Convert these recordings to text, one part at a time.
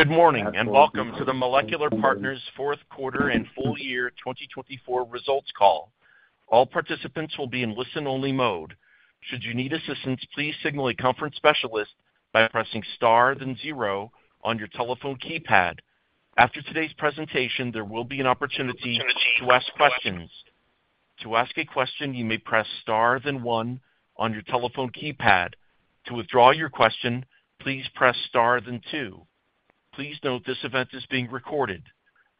Good morning and welcome to the Molecular Partners Fourth Quarter and Full Year 2024 Results Call. All participants will be in listen-only mode. Should you need assistance, please signal a conference specialist by pressing star then zero on your telephone keypad. After today's presentation, there will be an opportunity to ask questions. To ask a question, you may press star then one on your telephone keypad. To withdraw your question, please press star then two. Please note this event is being recorded.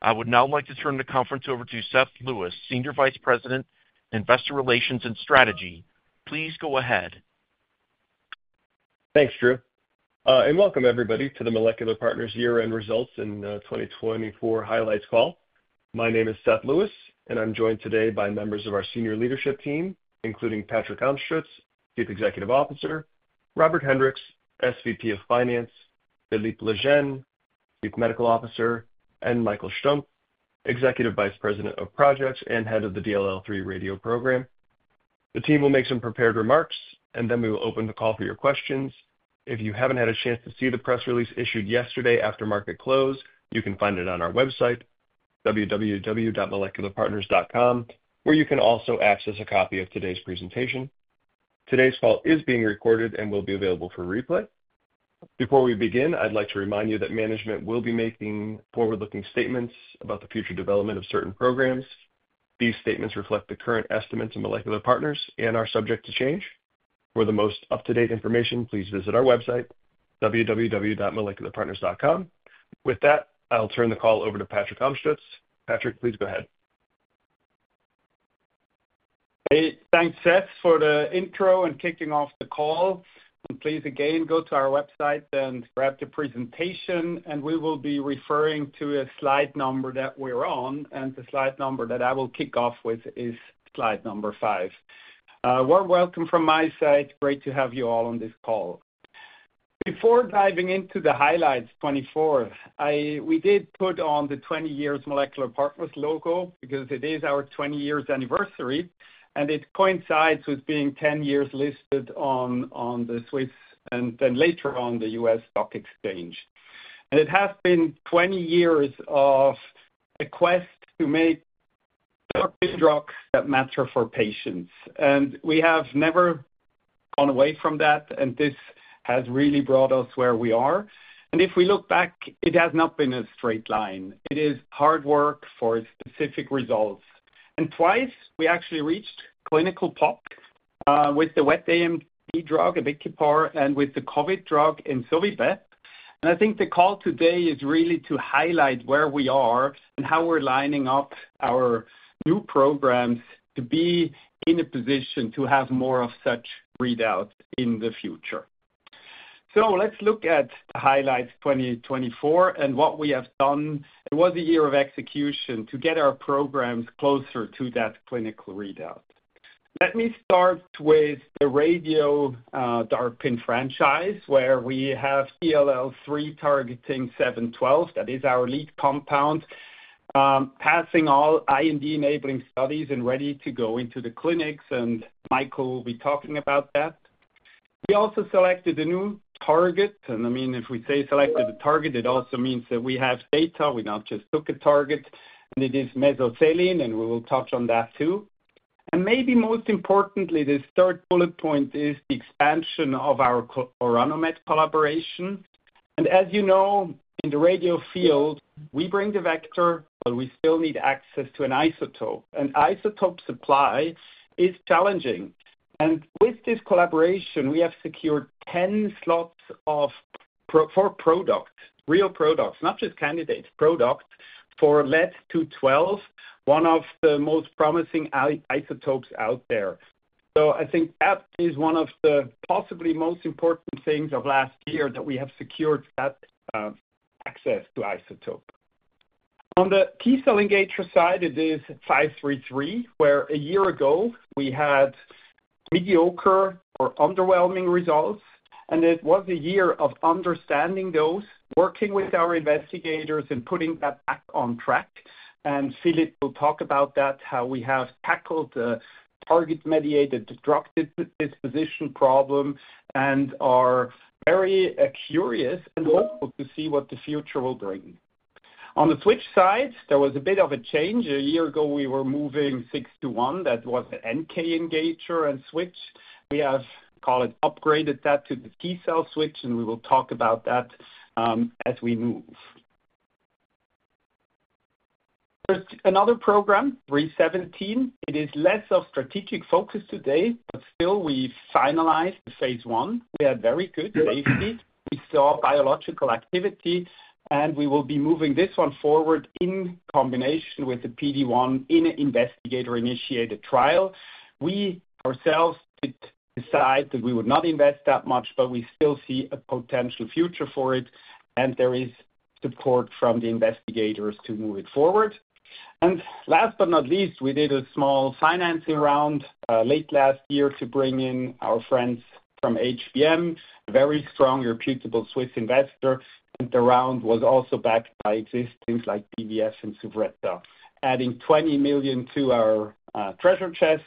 I would now like to turn the conference over to Seth Lewis, Senior Vice President, Investor Relations and Strategy. Please go ahead. Thanks, Drew. Welcome, everybody, to the Molecular Partners Year-End Results and 2024 Highlights Call. My name is Seth Lewis, and I'm joined today by members of our senior leadership team, including Patrick Amstutz, Chief Executive Officer; Robert Hendriks, SVP of Finance; Philippe Legenne, Chief Medical Officer; and Michael Stumpp, Executive Vice President of Projects and Head of the DLL3 Radio Program. The team will make some prepared remarks, and then we will open the call for your questions. If you have not had a chance to see the press release issued yesterday after market close, you can find it on our website, www.molecularpartners.com, where you can also access a copy of today's presentation. Today's call is being recorded and will be available for replay. Before we begin, I'd like to remind you that management will be making forward-looking statements about the future development of certain programs. These statements reflect the current estimates of Molecular Partners and are subject to change. For the most up-to-date information, please visit our website, www.molecularpartners.com. With that, I'll turn the call over to Patrick Amstutz. Patrick, please go ahead. Hey, thanks, Seth, for the intro and kicking off the call. Please, again, go to our website and grab the presentation, and we will be referring to a slide number that we're on. The slide number that I will kick off with is slide number five. Warm welcome from my side. Great to have you all on this call. Before diving into the highlights 2024, we did put on the 20 years Molecular Partners logo because it is our 20 years anniversary, and it coincides with being 10 years listed on the Swiss and then later on the U.S. Stock Exchange. It has been 20 years of a quest to make drugs that matter for patients. We have never gone away from that, and this has really brought us where we are. If we look back, it has not been a straight line. It is hard work for specific results. Twice, we actually reached clinical proof-of-concept with the wet AMD drug, abicipar, and with the COVID drug, ensovibep. I think the call today is really to highlight where we are and how we're lining up our new programs to be in a position to have more of such readouts in the future. Let's look at the highlights for 2024 and what we have done. It was a year of execution to get our programs closer to that clinical readout. Let me start with the Radio-DARPin franchise, where we have DLL3 targeting 712. That is our lead compound, passing all IND enabling studies and ready to go into the clinics, and Michael will be talking about that. We also selected a new target, and I mean, if we say selected a target, it also means that we have data. We not just took a target, and it is mesothelin, and we will touch on that too. Maybe most importantly, the third bullet point is the expansion of our Orano Med collaboration. As you know, in the radio field, we bring the vector, but we still need access to an isotope, and isotope supply is challenging. With this collaboration, we have secured 10 slots for products, real products, not just candidates, products for lead-212, one of the most promising isotopes out there. I think that is one of the possibly most important things of last year that we have secured that access to isotope. On the T-cell engager side, it is 533, where a year ago we had mediocre or underwhelming results, and it was a year of understanding those, working with our investigators, and putting that back on track. Philippe will talk about that, how we have tackled the target-mediated drug disposition problem and are very curious and hopeful to see what the future will bring. On the switch side, there was a bit of a change. A year ago, we were moving 621. That was an NK engager and switch. We have upgraded that to the T-cell switch, and we will talk about that as we move. There is another program, 317. It is less of strategic focus today, but still, we finalized the Phase I. We had very good safety. We saw biological activity, and we will be moving this one forward in combination with the PD-1 in an investigator-initiated trial. We ourselves did decide that we would not invest that much, but we still see a potential future for it, and there is support from the investigators to move it forward. Last but not least, we did a small financing round late last year to bring in our friends from HBM, a very strong, reputable Swiss investor, and the round was also backed by existing like BVF and Suvretta, adding 20 million to our treasure chest,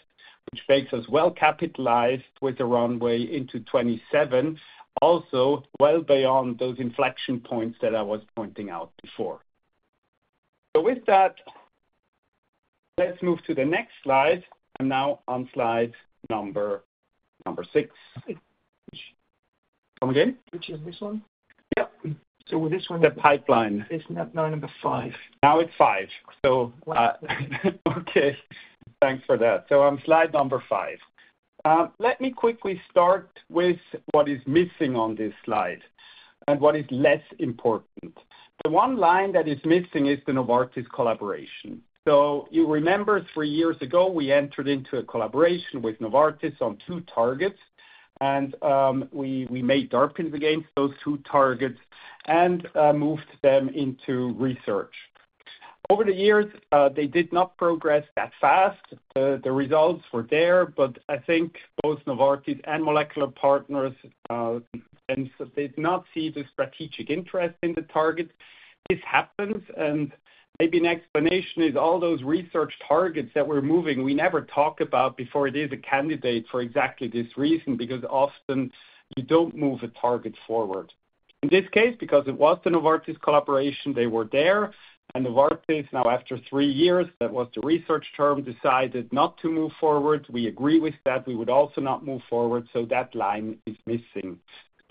which makes us well capitalized with a runway into 2027, also well beyond those inflection points that I was pointing out before. With that, let's move to the next slide. I am now on slide number six. Come again? Which is this one? Yep. This one. The pipeline. It's now number five. Now it's five. Okay. Thanks for that. I'm on slide number five. Let me quickly start with what is missing on this slide and what is less important. The one line that is missing is the Novartis collaboration. You remember three years ago, we entered into a collaboration with Novartis on two targets, and we made DARPins against those two targets and moved them into research. Over the years, they did not progress that fast. The results were there, but I think both Novartis and Molecular Partners did not see the strategic interest in the target. This happens, and maybe an explanation is all those research targets that we're moving, we never talk about before it is a candidate for exactly this reason because often you don't move a target forward. In this case, because it was the Novartis collaboration, they were there, and Novartis now, after three years, that was the research term, decided not to move forward. We agree with that. We would also not move forward. That line is missing.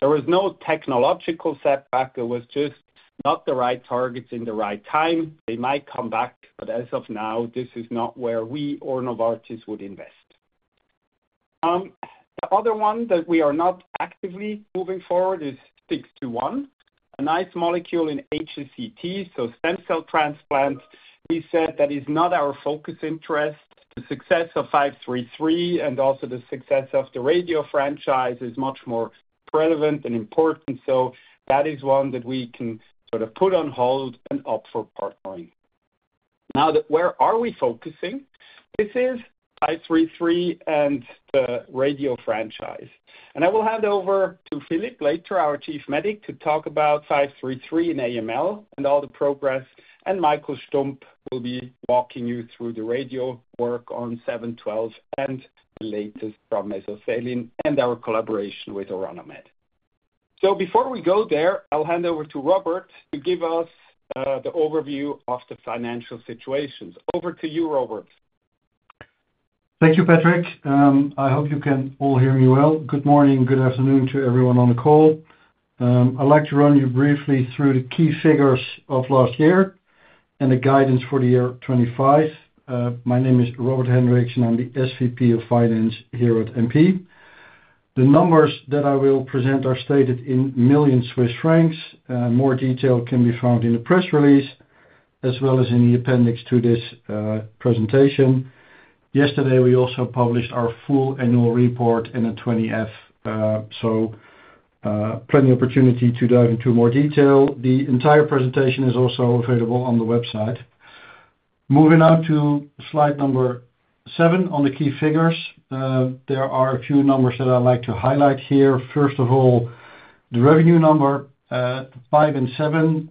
There was no technological setback. It was just not the right targets in the right time. They might come back, but as of now, this is not where we or Novartis would invest. The other one that we are not actively moving forward is 621, a nice molecule in HCT, so stem cell transplant. We said that is not our focus interest. The success of 533 and also the success of the radio franchise is much more relevant and important. That is one that we can sort of put on hold and opt for partnering. Now, where are we focusing? This is 533 and the radio franchise. I will hand over to Philippe later, our Chief Medical Officer, to talk about 533 and AML and all the progress, and Michael Stumpp will be walking you through the radio work on 712 and the latest from mesothelin and our collaboration with Orano Med. Before we go there, I'll hand over to Robert to give us the overview of the financial situation. Over to you, Robert. Thank you, Patrick. I hope you can all hear me well. Good morning and good afternoon to everyone on the call. I'd like to run you briefly through the key figures of last year and the guidance for the year 2025. My name is Robert Hendriks, and I'm the SVP of Finance here at MP. The numbers that I will present are stated in million Swiss francs. More detail can be found in the press release as well as in the appendix to this presentation. Yesterday, we also published our full annual report in a 20-F, so plenty of opportunity to dive into more detail. The entire presentation is also available on the website. Moving on to slide number seven on the key figures, there are a few numbers that I'd like to highlight here. First of all, the revenue number, five and seven.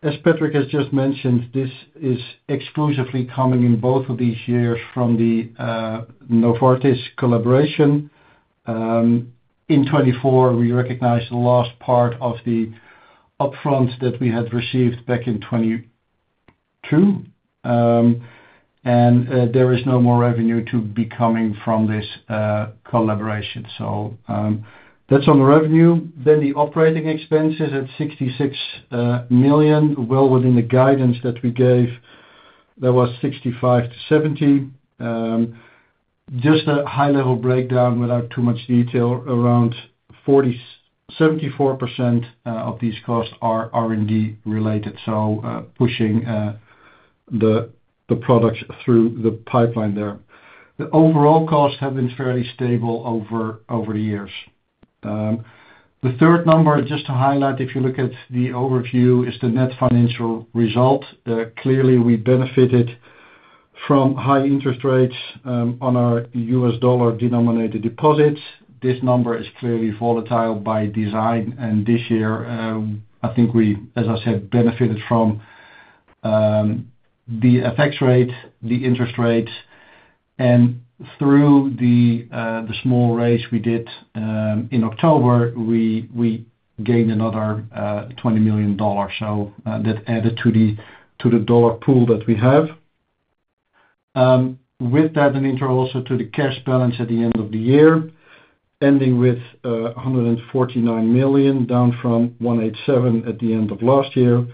As Patrick has just mentioned, this is exclusively coming in both of these years from the Novartis collaboration. In 2024, we recognize the last part of the upfront that we had received back in 2022, and there is no more revenue to be coming from this collaboration. That is on the revenue. The operating expenses at 66 million are well within the guidance that we gave, that was 65 million-70 million. Just a high-level breakdown without too much detail, around 74% of these costs are R&D related, so pushing the products through the pipeline there. The overall costs have been fairly stable over the years. The third number, just to highlight, if you look at the overview, is the net financial result. Clearly, we benefited from high interest rates on our U.S. dollar denominated deposits. This number is clearly volatile by design, and this year, I think we, as I said, benefited from the FX rate, the interest rates, and through the small raise we did in October, we gained another $20 million. That added to the dollar pool that we have. With that, an intro also to the cash balance at the end of the year, ending with 149 million, down from 187 million at the end of last year,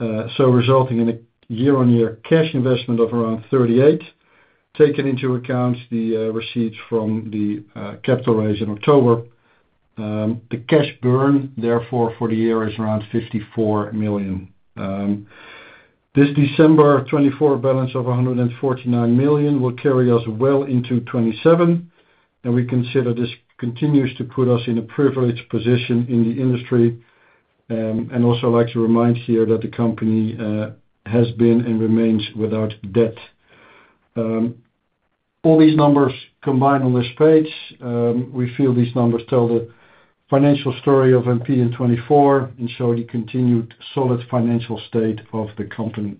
resulting in a year-on-year cash investment of around 38 million, taking into account the receipts from the capital raise in October. The cash burn, therefore, for the year is around 54 million. This December 2024 balance of 149 million will carry us well into 2027, and we consider this continues to put us in a privileged position in the industry. I would also like to remind here that the company has been and remains without debt. All these numbers combined on this page, we feel these numbers tell the financial story of MP in 2024 and show the continued solid financial state of the company.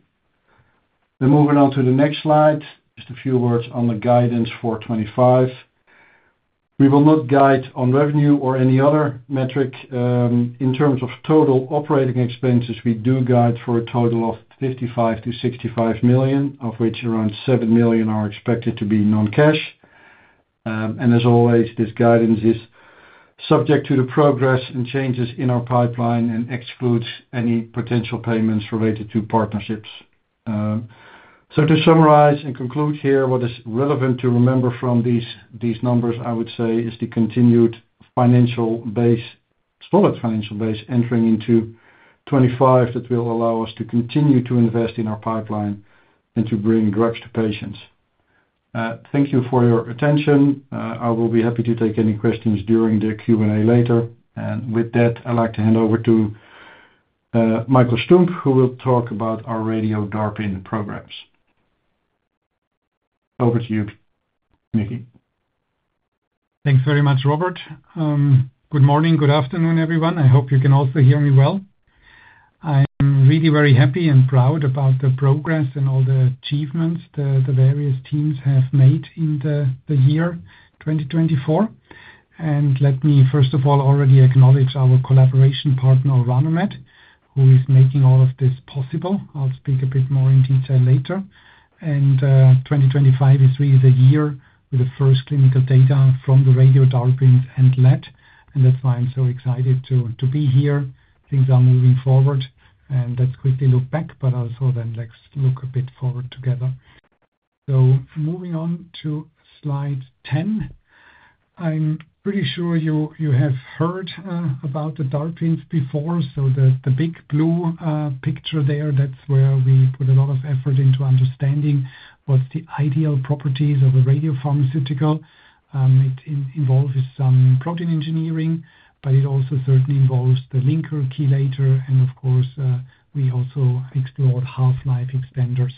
Moving on to the next slide, just a few words on the guidance for 2025. We will not guide on revenue or any other metric. In terms of total operating expenses, we do guide for a total of 55 million-65 million, of which around 7 million are expected to be non-cash. As always, this guidance is subject to the progress and changes in our pipeline and excludes any potential payments related to partnerships. To summarize and conclude here, what is relevant to remember from these numbers, I would say, is the continued financial base, solid financial base entering into 2025 that will allow us to continue to invest in our pipeline and to bring drugs to patients. Thank you for your attention. I will be happy to take any questions during the Q&A later. With that, I'd like to hand over to Michael Stumpp, who will talk about our Radio-DARPin programs. Over to you, Mickey. Thanks very much, Robert. Good morning, good afternoon, everyone. I hope you can also hear me well. I'm really very happy and proud about the progress and all the achievements that the various teams have made in the year 2024. Let me, first of all, already acknowledge our collaboration partner, Orano Med, who is making all of this possible. I'll speak a bit more in detail later. 2025 is really the year with the first clinical data from the Radio-DARPins and lead. That's why I'm so excited to be here. Things are moving forward, and let's quickly look back, but also then let's look a bit forward together. Moving on to slide 10. I'm pretty sure you have heard about the DARPins before. The big blue picture there, that's where we put a lot of effort into understanding what's the ideal properties of a radiopharmaceutical. It involves some protein engineering, but it also certainly involves the linker chelator, and of course, we also explored half-life expanders.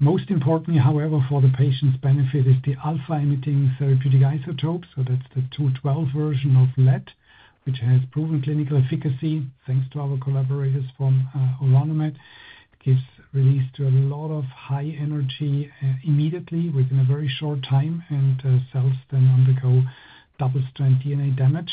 Most importantly, however, for the patient's benefit is the alpha-emitting therapeutic isotope. That's the 212 version of lead, which has proven clinical efficacy thanks to our collaborators from Orano Med. It gives release to a lot of high energy immediately within a very short time, and cells then undergo double-strand DNA damage.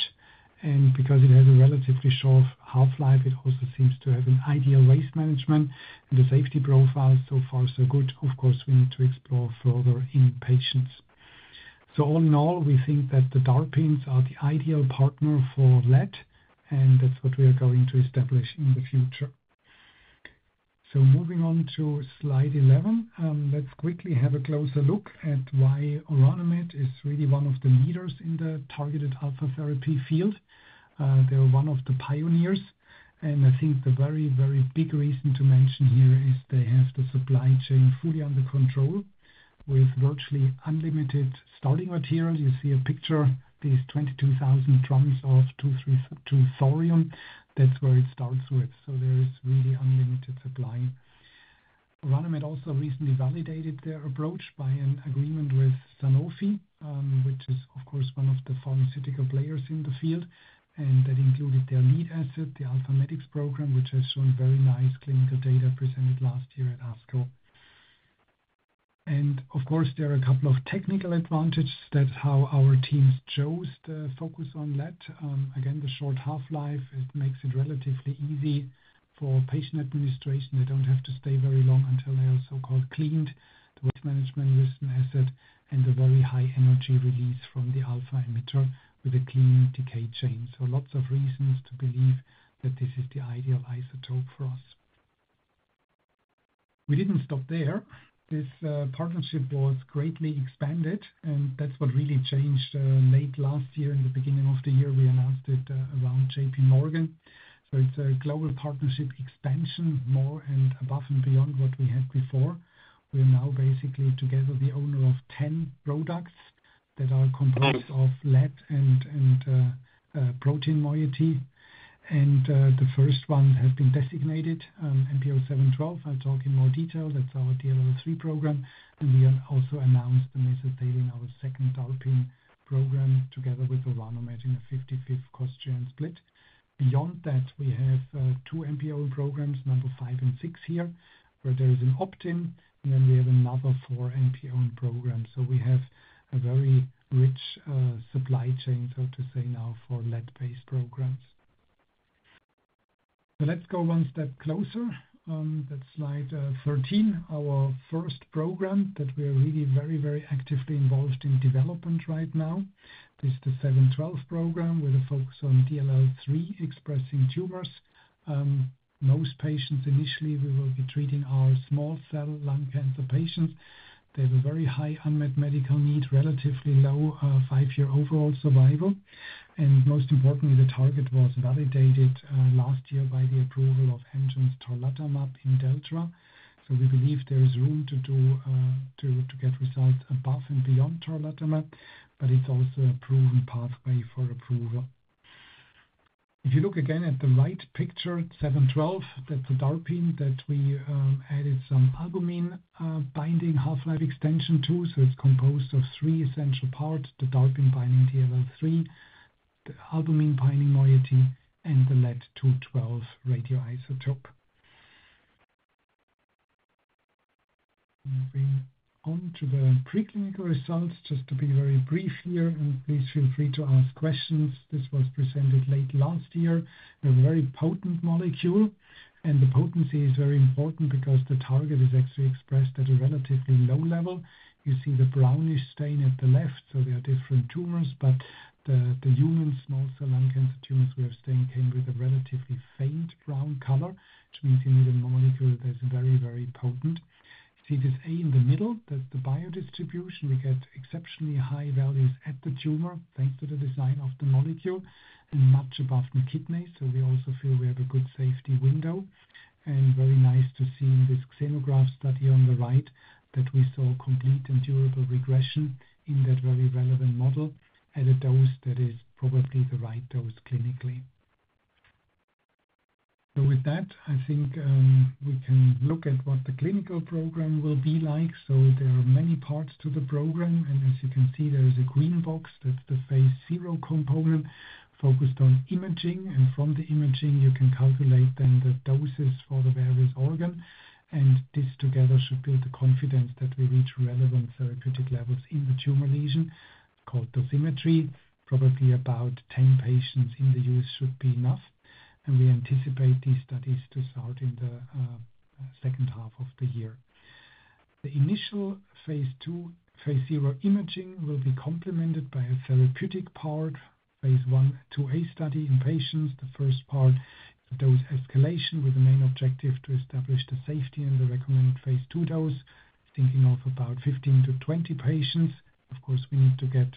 Because it has a relatively short half-life, it also seems to have an ideal waste management, and the safety profile so far so good. Of course, we need to explore further in patients. All in all, we think that the DARPins are the ideal partner for lead, and that's what we are going to establish in the future. Moving on to slide 11, let's quickly have a closer look at why Orano Med is really one of the leaders in the targeted alpha therapy field. They're one of the pioneers, and I think the very, very big reason to mention here is they have the supply chain fully under control with virtually unlimited starting material. You see a picture. These 22,000 drums of 232 thorium, that's where it starts with. There is really unlimited supply. Orano Med also recently validated their approach by an agreement with Sanofi, which is, of course, one of the pharmaceutical players in the field, and that included their lead asset, the AlphaMedix program, which has shown very nice clinical data presented last year at ASCO. Of course, there are a couple of technical advantages. That's how our teams chose to focus on lead. Again, the short half-life makes it relatively easy for patient administration. They don't have to stay very long until they are so-called cleaned. The waste management risk asset and the very high energy release from the alpha emitter with a clean decay chain. Lots of reasons to believe that this is the ideal isotope for us. We didn't stop there. This partnership was greatly expanded, and that's what really changed late last year. In the beginning of the year, we announced it around J.P. Morgan. It's a global partnership expansion, more and above and beyond what we had before. We are now basically together the owner of 10 products that are composed of lead and protein moiety. The first one has been designated, MP0712. I'll talk in more detail. That's our DLL3 program. We also announced the mesothelin, our second DARPin program together with Orano Med in a 55-45 cost-sharing split. Beyond that, we have two MP0 programs, number five and six here, where there is an opt-in, and then we have another four MP0 programs. We have a very rich supply chain, so to say, now for lead-based programs. Let's go one step closer. That's slide 13, our first program that we are really very, very actively involved in development right now. This is the 712 program with a focus on DLL3-expressing tumors. Most patients initially, we will be treating are small cell lung cancer patients. They have a very high unmet medical need, relatively low five-year overall survival. Most importantly, the target was validated last year by the approval of Amgen's tarlatamab Imdelltra. We believe there is room to get results above and beyond tarlatamab, but it's also a proven pathway for approval. If you look again at the right picture, 712, that's a DARPin that we added some albumin binding half-life extension to. It's composed of three essential parts: the DARPin binding DLL3, the albumin binding moiety, and the lead-212 radioisotope. Moving on to the preclinical results, just to be very brief here, and please feel free to ask questions. This was presented late last year. We have a very potent molecule, and the potency is very important because the target is actually expressed at a relatively low level. You see the brownish stain at the left, so there are different tumors, but the human small cell lung cancer tumors we have stained came with a relatively faint brown color, which means you need a molecule that is very, very potent. You see this A in the middle, that's the biodistribution. We get exceptionally high values at the tumor thanks to the design of the molecule and much above the kidneys. We also feel we have a good safety window. It is very nice to see in this xenograft study on the right that we saw complete and durable regression in that very relevant model at a dose that is probably the right dose clinically. With that, I think we can look at what the clinical program will be like. There are many parts to the program, and as you can see, there is a green box. That's the Phase zero component focused on imaging, and from the imaging, you can calculate then the doses for the various organs. This together should build the confidence that we reach relevant therapeutic levels in the tumor lesion called dosimetry. Probably about 10 patients in the U.S. should be enough, and we anticipate these studies to start in the second half of the year. The initial Phase II Phase zero imaging will be complemented by a therapeutic part, Phase 1/2a study in patients. The first part, dose escalation with the main objective to establish the safety and the recommended Phase II dose, thinking of about 15-20 patients. Of course, we need to get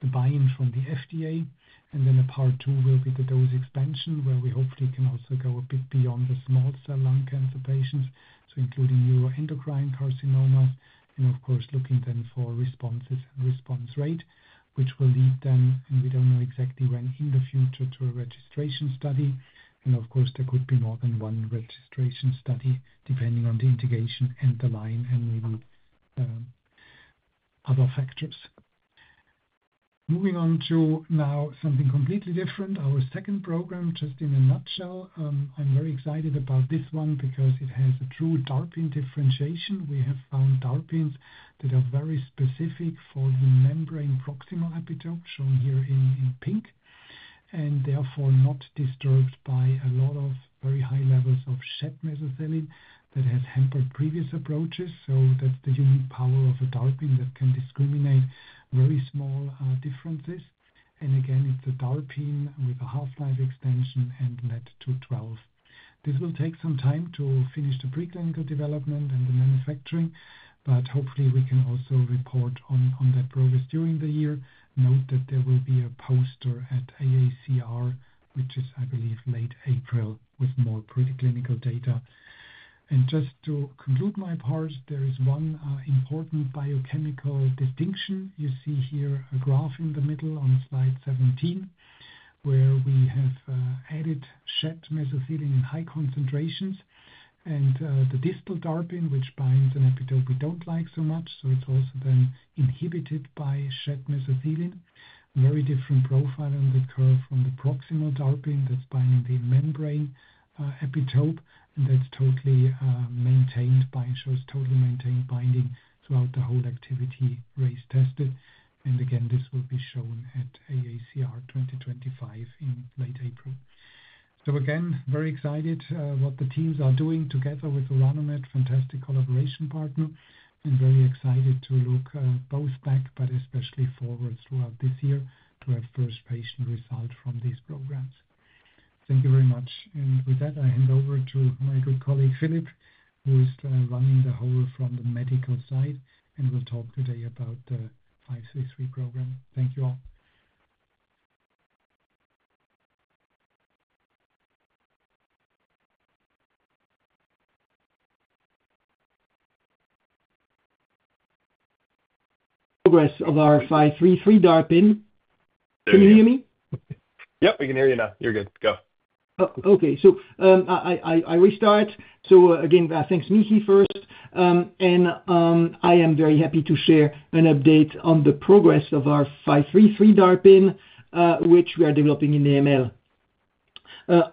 the buy-in from the FDA. A part two will be the dose expansion, where we hopefully can also go a bit beyond the small cell lung cancer patients, so including neuroendocrine carcinomas. Of course, looking then for responses and response rate, which will lead then, and we do not know exactly when in the future, to a registration study. There could be more than one registration study depending on the integration and the line and maybe other factors. Moving on to now something completely different, our second program, just in a nutshell. I am very excited about this one because it has a true DARPin differentiation. We have found DARPins that are very specific for the membrane proximal epitope shown here in pink, and therefore not disturbed by a lot of very high levels of shed mesothelin that has hampered previous approaches. That is the unique power of a DARPin that can discriminate very small differences. Again, it is a DARPin with a half-life extension and lead-212. This will take some time to finish the preclinical development and the manufacturing, but hopefully we can also report on that progress during the year. Note that there will be a poster at AACR, which is, I believe, late April with more preclinical data. Just to conclude my part, there is one important biochemical distinction. You see here a graph in the middle on slide 17, where we have added shed mesothelin in high concentrations. The distal DARPin, which binds an epitope we do not like so much, is also then inhibited by shed mesothelin. Very different profile on the curve from the proximal DARPin that is binding the membrane epitope, and that is totally maintained by shows totally maintained binding throughout the whole activity range tested. Again, this will be shown at AACR 2025 in late April. Again, very excited what the teams are doing together with Orano Med, fantastic collaboration partner, and very excited to look both back, but especially forwards throughout this year to have first patient results from these programs. Thank you very much. With that, I hand over to my good colleague Philippe, who is running the whole from the medical side, and will talk today about the 533 program. Thank you all. Progress of our 533 DARPin. Can you hear me? Yep, we can hear you now. You're good. Go. Oh, okay. I restart. Again, thanks, Mickey, first. I am very happy to share an update on the progress of our 533 DARPin, which we are developing in AML.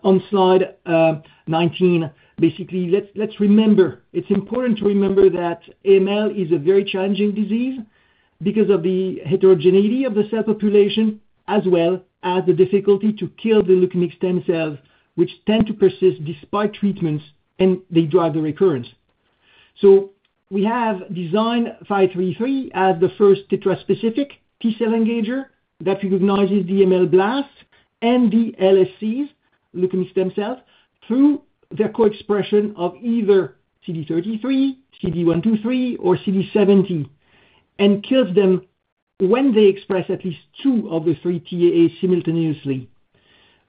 On slide 19, basically, let's remember, it's important to remember that AML is a very challenging disease because of the heterogeneity of the cell population as well as the difficulty to kill the leukemic stem cells, which tend to persist despite treatments, and they drive the recurrence. We have designed 533 as the first tetra-specific T-cell engager that recognizes the AML blast and the LSCs, leukemic stem cells, through their co-expression of either CD33, CD123, or CD70, and kills them when they express at least two of the three TAAs simultaneously.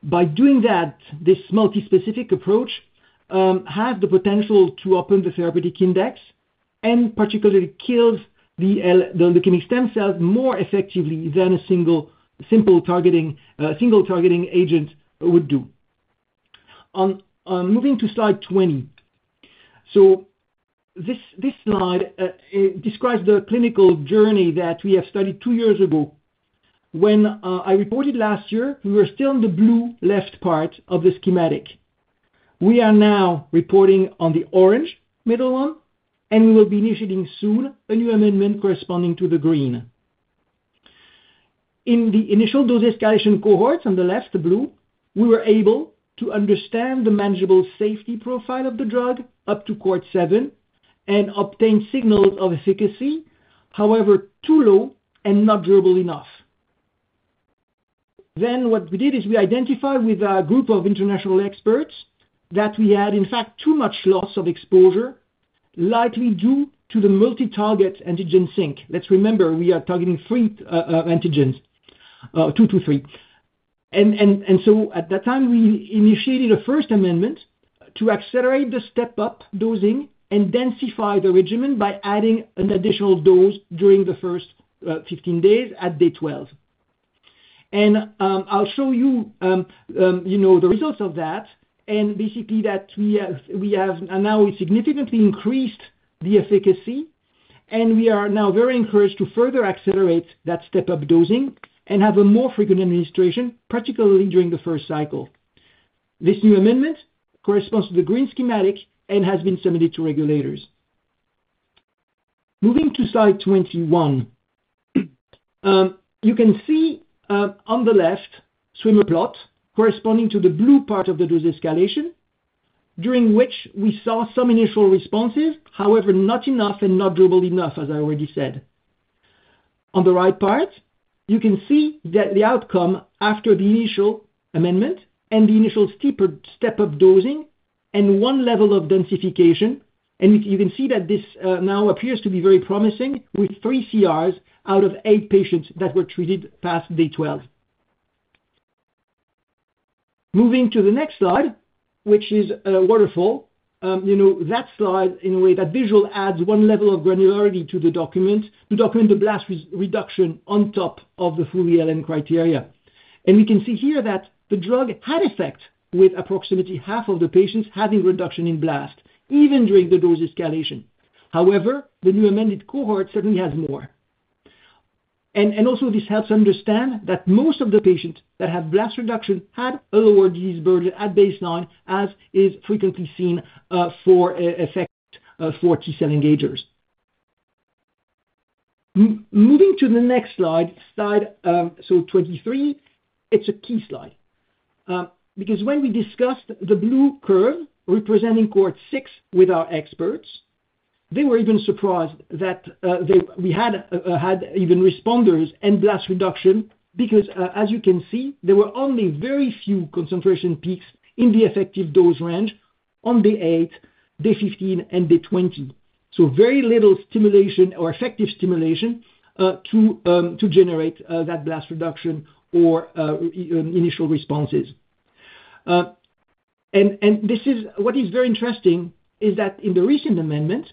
By doing that, this multi-specific approach has the potential to open the therapeutic index and particularly kills the leukemic stem cells more effectively than a single targeting agent would do. Moving to slide 20. This slide describes the clinical journey that we have studied two years ago. When I reported last year, we were still in the blue left part of the schematic. We are now reporting on the orange middle one, and we will be initiating soon a new amendment corresponding to the green. In the initial dose escalation cohorts on the left, the blue, we were able to understand the manageable safety profile of the drug up to cohort seven and obtain signals of efficacy, however too low and not durable enough. What we did is we identified with a group of international experts that we had, in fact, too much loss of exposure, likely due to the multi-target antigen sink. Let's remember, we are targeting three antigens, 223. At that time, we initiated a first amendment to accelerate the step-up dosing and densify the regimen by adding an additional dose during the first 15 days at day 12. I'll show you the results of that, and basically that we have now significantly increased the efficacy, and we are now very encouraged to further accelerate that step-up dosing and have a more frequent administration, particularly during the first cycle. This new amendment corresponds to the green schematic and has been submitted to regulators. Moving to slide 21, you can see on the left swimmer plot corresponding to the blue part of the dose escalation, during which we saw some initial responses, however not enough and not durable enough, as I already said. On the right part, you can see that the outcome after the initial amendment and the initial step-up dosing and one level of densification, and you can see that this now appears to be very promising with three CRs out of eight patients that were treated past day 12. Moving to the next slide, which is a waterfall, that slide, in a way, that visual adds one level of granularity to the document to document the blast reduction on top of the full ELN criteria. We can see here that the drug had effect with approximately half of the patients having reduction in blast, even during the dose escalation. However, the new amended cohort certainly has more. Also, this helps understand that most of the patients that have blast reduction had a lower disease burden at baseline, as is frequently seen for effect for T-cell engagers. Moving to the next slide, slide 23, it is a key slide. Because when we discussed the blue curve representing cohort 6 with our experts, they were even surprised that we had even responders and blast reduction because, as you can see, there were only very few concentration peaks in the effective dose range on day eight, day 15, and day 20. Very little stimulation or effective stimulation to generate that blast reduction or initial responses. What is very interesting is that in the recent amendment,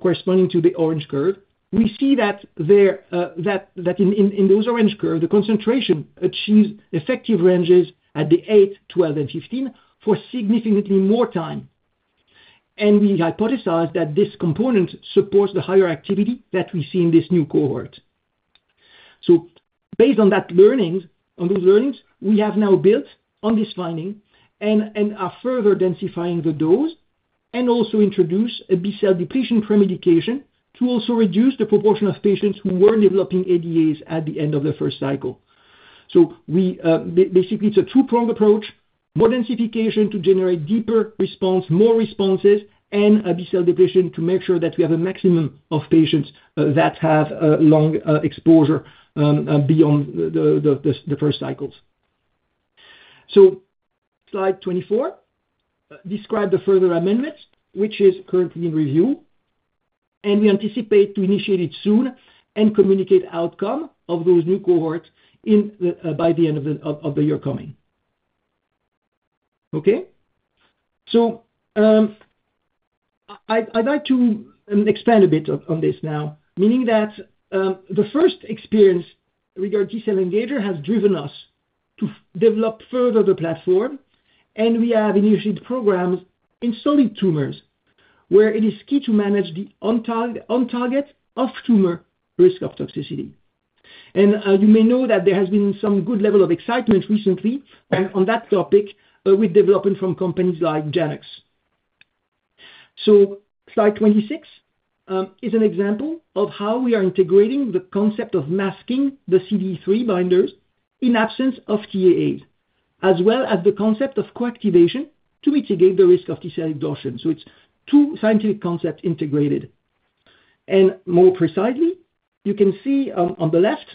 corresponding to the orange curve, we see that in those orange curves, the concentration achieves effective ranges at day eight, 12, and 15 for significantly more time. We hypothesize that this component supports the higher activity that we see in this new cohort. Based on those learnings, we have now built on this finding and are further densifying the dose and also introduced a B-cell depletion premedication to also reduce the proportion of patients who were developing ADAs at the end of the first cycle. Basically, it's a two-prong approach, more densification to generate deeper response, more responses, and a B-cell depletion to make sure that we have a maximum of patients that have long exposure beyond the first cycles. Slide 24 describes the further amendments, which is currently in review, and we anticipate to initiate it soon and communicate outcome of those new cohorts by the end of the year coming. Okay? I'd like to expand a bit on this now, meaning that the first experience regarding T-cell engager has driven us to develop further the platform, and we have initiated programs in solid tumors where it is key to manage the on-target, off-tumor risk of toxicity. You may know that there has been some good level of excitement recently on that topic with development from companies like Janux. Slide 26 is an example of how we are integrating the concept of masking the CD3 binders in absence of TAAs, as well as the concept of coactivation to mitigate the risk of T-cell exhaustion. It's two scientific concepts integrated. More precisely, you can see on the left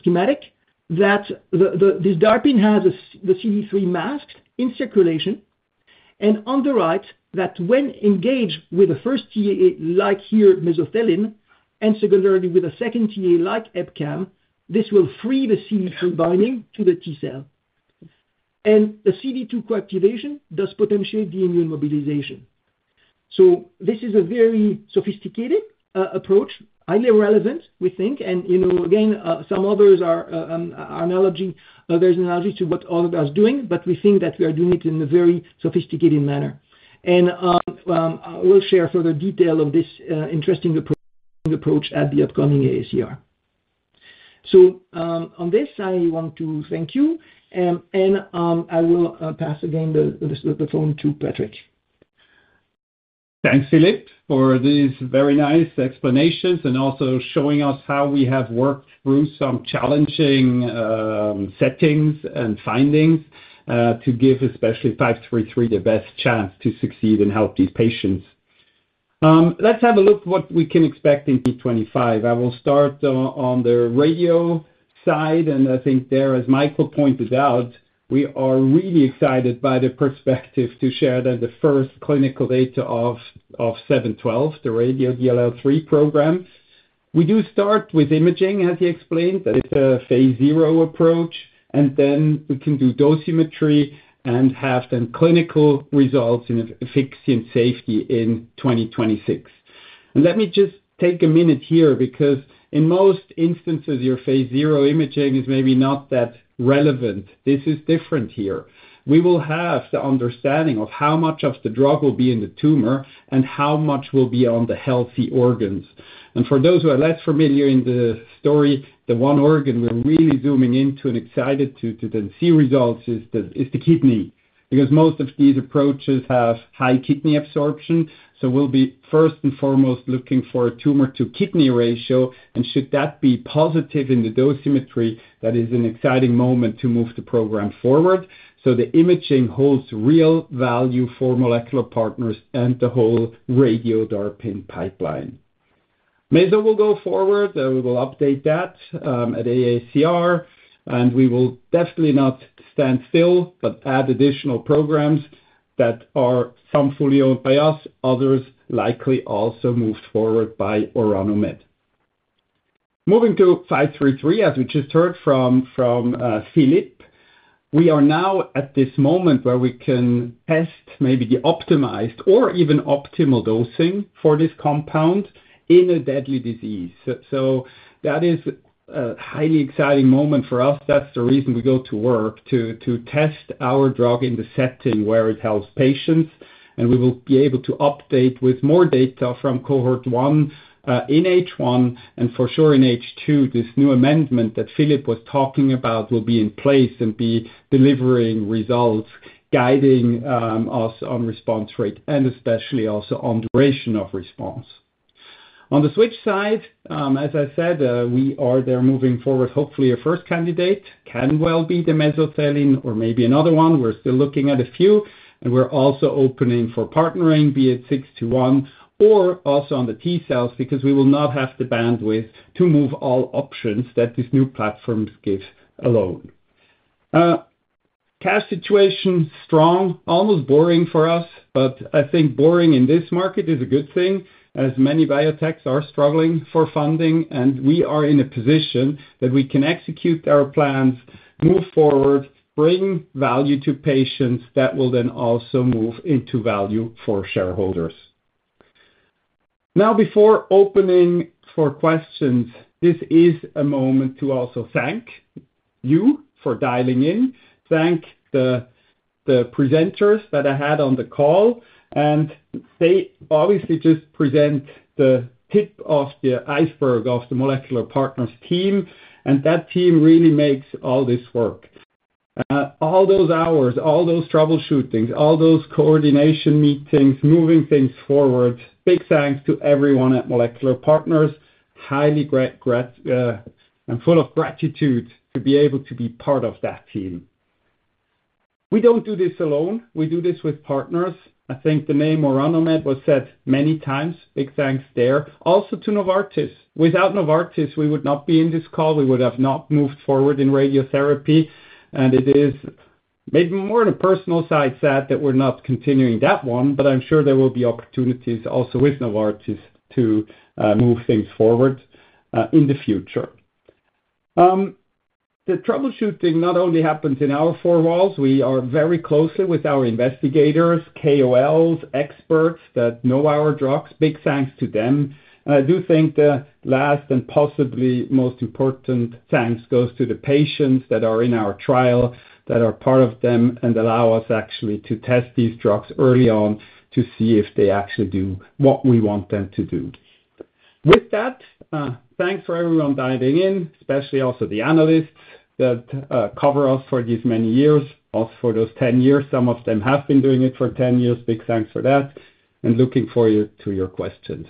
schematic that this DARPin has the CD3 masks in circulation, and on the right that when engaged with a first TAA like here, mesothelin, and secondarily with a second TAA like EpCAM, this will free the CD3 binding to the T-cell. The CD2 coactivation does potentiate the immune mobilization. This is a very sophisticated approach, highly relevant, we think. There is an analogy to what othere are doing, but we think that we are doing it in a very sophisticated manner. I will share further detail of this interesting approach at the upcoming AACR. On this, I want to thank you, and I will pass again the phone to Patrick. Thanks, Philippe, for these very nice explanations and also showing us how we have worked through some challenging settings and findings to give especially 533 the best chance to succeed and help these patients. Let's have a look at what we can expect in 2025. I will start on the radio side, and I think there, as Michael pointed out, we are really excited by the perspective to share then the first clinical data of 712, the radio DLL3 program. We do start with imaging, as he explained, that it's a Phase zero approach, and then we can do dosimetry and have then clinical results in efficacy and safety in 2026. Let me just take a minute here because in most instances, your Phase zero imaging is maybe not that relevant. This is different here. We will have the understanding of how much of the drug will be in the tumor and how much will be on the healthy organs. For those who are less familiar in the story, the one organ we're really zooming into and excited to then see results is the kidney because most of these approaches have high kidney absorption. We will be first and foremost looking for a tumor-to-kidney ratio, and should that be positive in the dosimetry, that is an exciting moment to move the program forward. The imaging holds real value for Molecular Partners and the whole Radio-DARPin pipeline. Meso will go forward, we will update that at AACR, and we will definitely not stand still but add additional programs that are some fully owned by us, others likely also moved forward by Orano Med. Moving to 533, as we just heard from Philippe, we are now at this moment where we can test maybe the optimized or even optimal dosing for this compound in a deadly disease. That is a highly exciting moment for us. That's the reason we go to work to test our drug in the setting where it helps patients, and we will be able to update with more data from cohort one in H1, and for sure in H2, this new amendment that Philippe was talking about will be in place and be delivering results, guiding us on response rate and especially also on duration of response. On the switch side, as I said, we are there moving forward. Hopefully, a first candidate can well be the mesothelin or maybe another one. We're still looking at a few, and we're also opening for partnering, be it 621 or also on the T-cells because we will not have the bandwidth to move all options that these new platforms give alone. Cash situation strong, almost boring for us, but I think boring in this market is a good thing as many biotechs are struggling for funding, and we are in a position that we can execute our plans, move forward, bring value to patients that will then also move into value for shareholders. Now, before opening for questions, this is a moment to also thank you for dialing in. Thank the presenters that I had on the call, and they obviously just present the tip of the iceberg of the Molecular Partners team, and that team really makes all this work. All those hours, all those troubleshootings, all those coordination meetings, moving things forward, big thanks to everyone at Molecular Partners. Highly grateful and full of gratitude to be able to be part of that team. We do not do this alone. We do this with partners. I think the name Orano Med was said many times. Big thanks there. Also to Novartis. Without Novartis, we would not be in this call. We would have not moved forward in radiotherapy, and it is maybe more on a personal side that we are not continuing that one, but I am sure there will be opportunities also with Novartis to move things forward in the future. The troubleshooting not only happens in our four walls. We are very closely with our investigators, KOLs, experts that know our drugs. Big thanks to them. I do think the last and possibly most important thanks goes to the patients that are in our trial, that are part of them and allow us actually to test these drugs early on to see if they actually do what we want them to do. With that, thanks for everyone dialing in, especially also the analysts that cover us for these many years, also for those 10 years. Some of them have been doing it for 10 years. Big thanks for that and looking forward to your questions.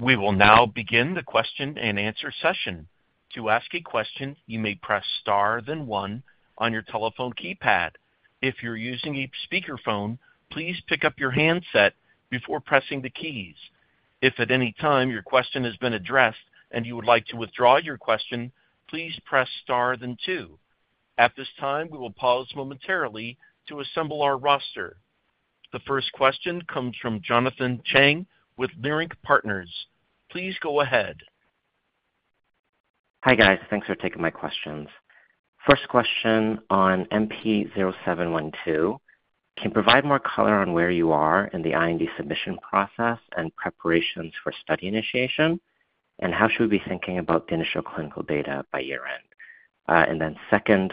We will now begin the question and answer session. To ask a question, you may press star then one on your telephone keypad. If you're using a speakerphone, please pick up your handset before pressing the keys. If at any time your question has been addressed and you would like to withdraw your question, please press star then two. At this time, we will pause momentarily to assemble our roster. The first question comes from Jonathan Chang with Leerink Partners. Please go ahead. Hi guys, thanks for taking my questions. First question on MP0712. Can you provide more color on where you are in the IND submission process and preparations for study initiation? How should we be thinking about the initial clinical data by year-end? Second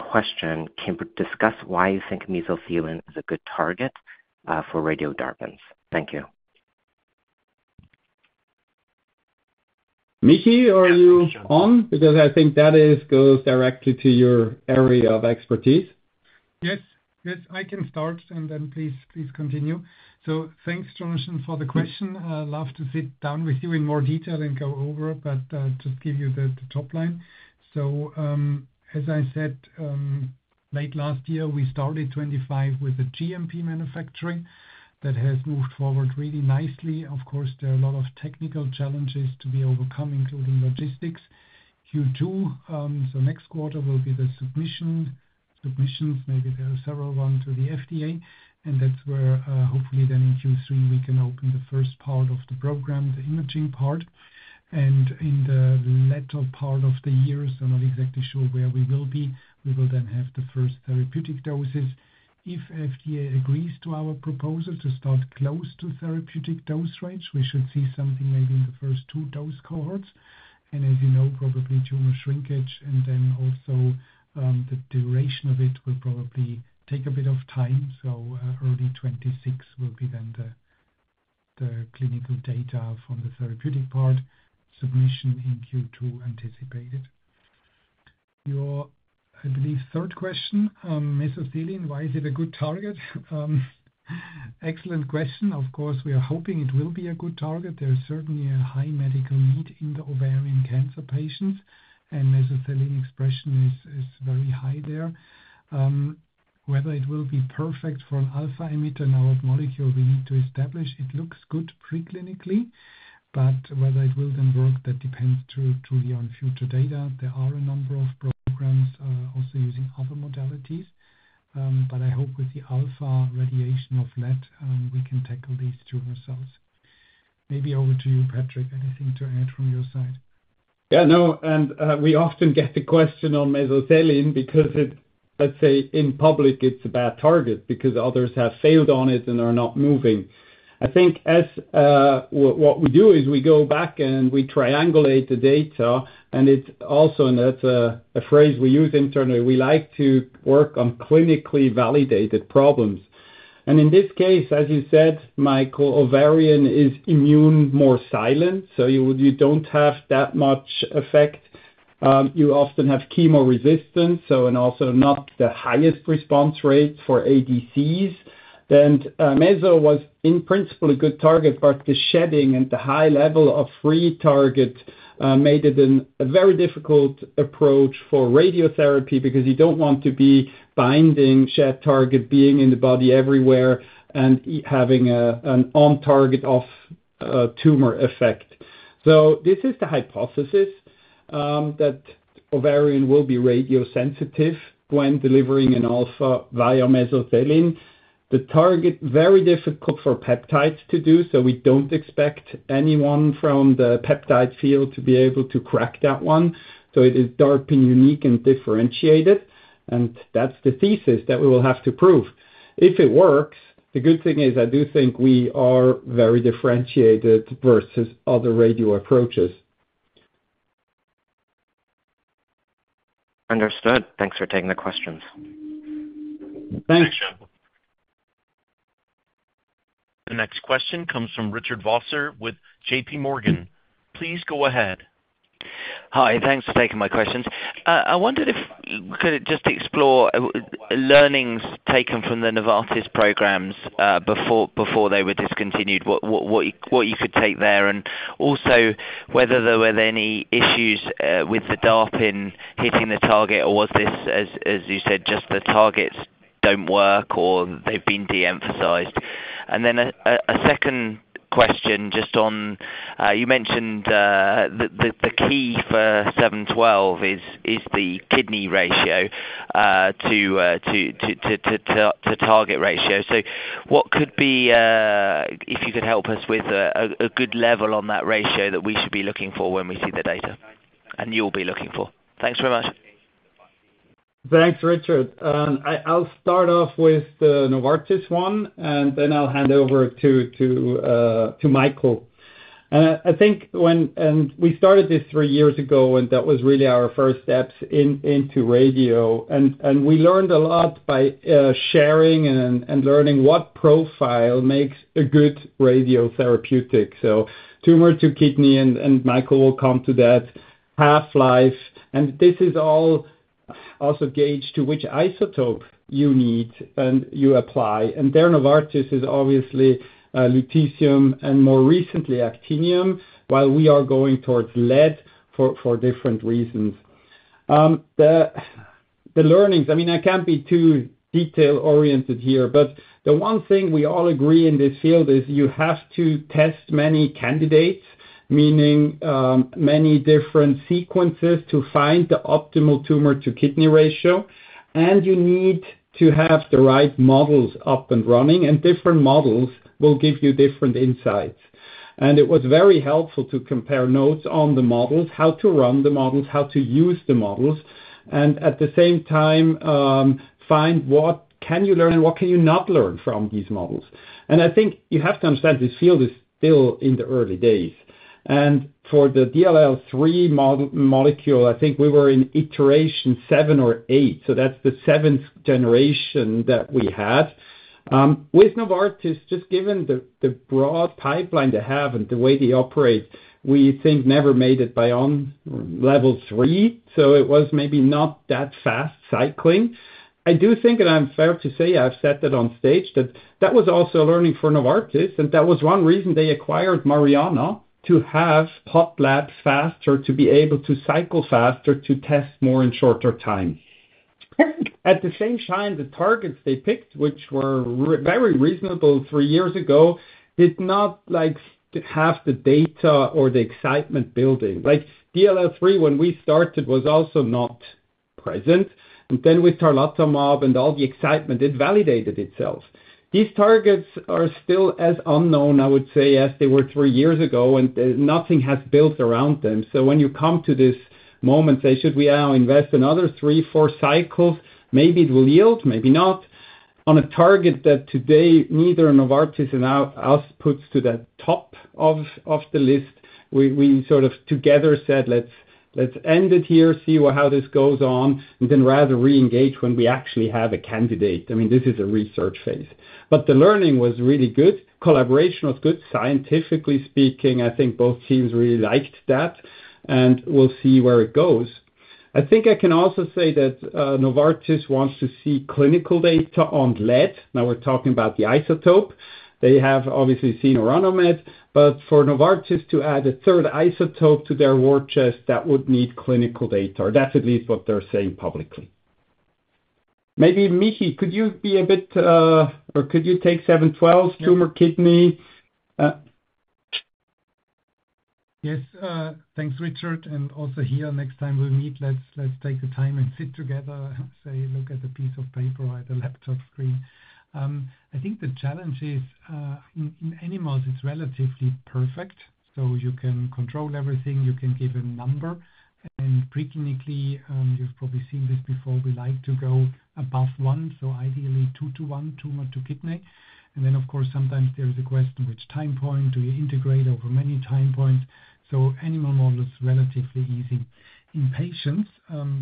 question, can you discuss why you think mesothelin is a good target for Radio-DARPins? Thank you. Mickey, are you on? Because I think that goes directly to your area of expertise. Yes, yes, I can start and then please continue. Thanks, Jonathan, for the question. I'd love to sit down with you in more detail and go over, but just give you the top line. As I said, late last year, we started 2025 with the GMP manufacturing that has moved forward really nicely. Of course, there are a lot of technical challenges to be overcome, including logistics. Q2, so next quarter will be the submissions. Maybe there are several ones to the FDA, and that's where hopefully then in Q3, we can open the first part of the program, the imaging part. In the later part of the year, so not exactly sure where we will be, we will then have the first therapeutic doses. If FDA agrees to our proposal to start close to therapeutic dose range, we should see something maybe in the first two dose cohorts. As you know, probably tumor shrinkage and then also the duration of it will probably take a bit of time. Early 2026 will be then the clinical data from the therapeutic part, submission in Q2 anticipated. Your, I believe, third question, mesothelin, why is it a good target? Excellent question. Of course, we are hoping it will be a good target. There is certainly a high medical need in the ovarian cancer patients, and mesothelin expression is very high there. Whether it will be perfect for an alpha-emitter now of molecule we need to establish, it looks good preclinically, but whether it will then work, that depends truly on future data. There are a number of programs also using other modalities, but I hope with the alpha radiation of lead we can tackle these tumor cells. Maybe over to you, Patrick, anything to add from your side? Yeah, no, and we often get the question on mesothelin because it's, let's say, in public, it's a bad target because others have failed on it and are not moving. I think what we do is we go back and we triangulate the data, and it's also, and that's a phrase we use internally, we like to work on clinically validated problems. In this case, as you said, Michael, ovarian is immune more silent, so you don't have that much effect. You often have chemo resistance, and also not the highest response rates for ADCs. Meso was in principle a good target, but the shedding and the high level of free target made it a very difficult approach for radiotherapy because you don't want to be binding, shed target, being in the body everywhere and having an on-target off-tumor effect. This is the hypothesis that ovarian will be radiosensitive when delivering an alpha via mesothelin. The target, very difficult for peptides to do, so we do not expect anyone from the peptide field to be able to crack that one. It is DARPin unique and differentiated, and that is the thesis that we will have to prove. If it works, the good thing is I do think we are very differentiated versus other radio approaches. Understood. Thanks for taking the questions. Thanks. Thanks, John. The next question comes from Richard Vosser with J.P. Morgan. Please go ahead. Hi, thanks for taking my questions. I wondered if we could just explore learnings taken from the Novartis programs before they were discontinued, what you could take there, and also whether there were any issues with the DARPin hitting the target, or was this, as you said, just the targets don't work or they've been de-emphasized. A second question just on, you mentioned the key for 712 is the kidney ratio to target ratio. What could be, if you could help us with a good level on that ratio that we should be looking for when we see the data and you'll be looking for? Thanks very much. Thanks, Richard. I'll start off with the Novartis one, then I'll hand over to Michael. I think when we started this three years ago, that was really our first steps into radio, and we learned a lot by sharing and learning what profile makes a good radiotherapeutic. Tumor to kidney, and Michael will come to that, half-life, and this is all also gauged to which isotope you need and you apply. There Novartis is obviously lutetium and more recently actinium, while we are going towards lead for different reasons. The learnings, I mean, I can't be too detail-oriented here, but the one thing we all agree in this field is you have to test many candidates, meaning many different sequences to find the optimal tumor to kidney ratio, and you need to have the right models up and running, and different models will give you different insights. It was very helpful to compare notes on the models, how to run the models, how to use the models, and at the same time, find what can you learn and what can you not learn from these models. I think you have to understand this field is still in the early days. For the DLL3 molecule, I think we were in iteration seven or eight, so that's the seventh generation that we had. With Novartis, just given the broad pipeline they have and the way they operate, we think never made it beyond level three, so it was maybe not that fast cycling. I do think, and I'm fair to say, I've said that on stage, that that was also a learning for Novartis, and that was one reason they acquired Mariana to have hot labs faster, to be able to cycle faster, to test more in shorter time. At the same time, the targets they picked, which were very reasonable three years ago, did not have the data or the excitement building. DLL3, when we started, was also not present, and then with Tarlatamab and all the excitement, it validated itself. These targets are still as unknown, I would say, as they were three years ago, and nothing has built around them. When you come to this moment, say, should we now invest another three, four cycles? Maybe it will yield, maybe not. On a target that today neither Novartis and us puts to the top of the list, we sort of together said, let's end it here, see how this goes on, and then rather re-engage when we actually have a candidate. I mean, this is a research phase. The learning was really good. Collaboration was good. Scientifically speaking, I think both teams really liked that, and we'll see where it goes. I think I can also say that Novartis wants to see clinical data on lead. Now we're talking about the isotope. They have obviously seen Orano Med, but for Novartis to add a third isotope to their war chest, that would need clinical data. That's at least what they're saying publicly. Maybe Mickey, could you be a bit, or could you take 712, tumor kidney? Yes, thanks, Richard. Also here, next time we meet, let's take the time and sit together, say, look at a piece of paper or at a laptop screen. I think the challenge is in animals, it's relatively perfect, so you can control everything. You can give a number, and preclinically, you've probably seen this before, we like to go above one, so ideally two to one, tumor to kidney. Of course, sometimes there is a question, which time point? Do you integrate over many time points? Animal model is relatively easy. In patients,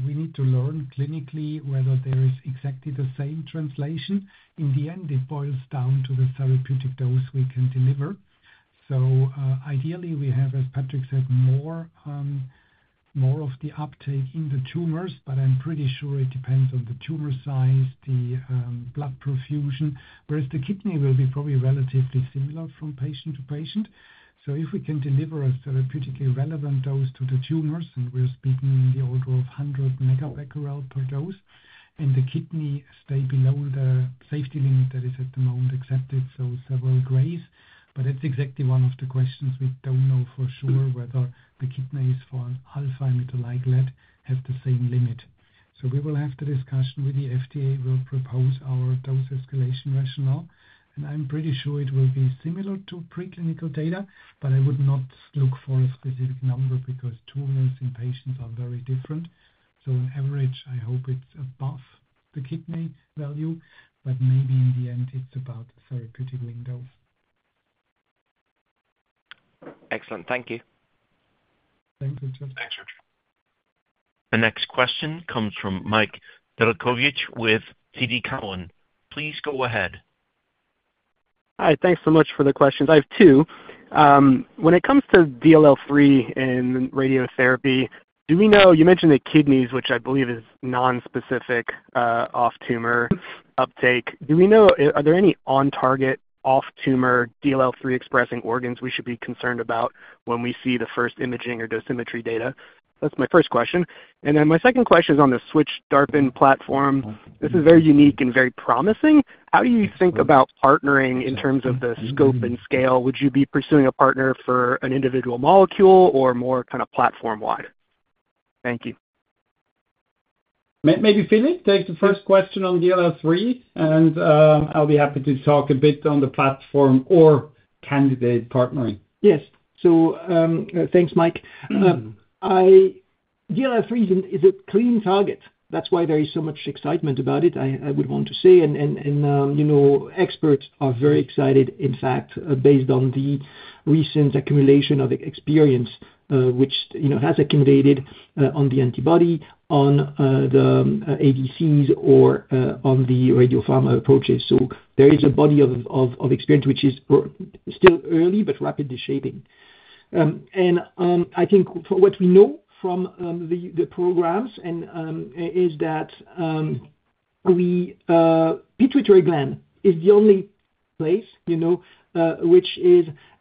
we need to learn clinically whether there is exactly the same translation. In the end, it boils down to the therapeutic dose we can deliver. Ideally, we have, as Patrick said, more of the uptake in the tumors, but I'm pretty sure it depends on the tumor size, the blood perfusion, whereas the kidney will be probably relatively similar from patient to patient. If we can deliver a therapeutically relevant dose to the tumors, and we're speaking in the order of 100 mega-becquerel per dose, and the kidney stay below the safety limit that is at the moment accepted, so several grays, but that's exactly one of the questions. We don't know for sure whether the kidneys for an alpha-emitter like lead have the same limit. We will have the discussion with the FDA. We'll propose our dose escalation rationale, and I'm pretty sure it will be similar to preclinical data, but I would not look for a specific number because tumors in patients are very different. On average, I hope it's above the kidney value, but maybe in the end, it's about the therapeutic windows. Excellent. Thank you. Thanks, Richard. Thanks, Richard. The next question comes from Mike Nedelcovych with TD Cowen. Please go ahead. Hi, thanks so much for the questions. I have two. When it comes to DLL3 in radiotherapy, do we know you mentioned the kidneys, which I believe is nonspecific off-tumor uptake. Do we know, are there any on-target, off-tumor DLL3 expressing organs we should be concerned about when we see the first imaging or dosimetry data? That's my first question. My second question is on the Switch-DARPin platform. This is very unique and very promising. How do you think about partnering in terms of the scope and scale? Would you be pursuing a partner for an individual molecule or more kind of platform-wide? Thank you. Maybe Philippe takes the first question on DLL3, and I'll be happy to talk a bit on the platform or candidate partnering. Yes. Thanks, Mike. DLL3 is a clean target. That's why there is so much excitement about it, I would want to say, and experts are very excited, in fact, based on the recent accumulation of experience, which has accumulated on the antibody, on the ADCs, or on the radiopharma approaches. There is a body of experience, which is still early, but rapidly shaping. I think what we know from the programs is that the pituitary gland is the only place which